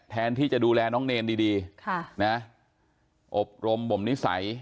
แทนที่จะดูแลน้องเนรดีอบรมบ่มนิสัย